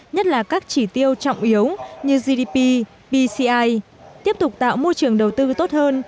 nhất là các chỉ tiêu trọng yếu như gdp pci tiếp tục tạo môi trường đầu tư tốt hơn